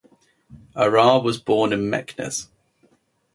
Ahrar was born in Meknes.